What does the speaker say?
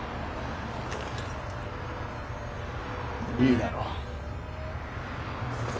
いいだろう。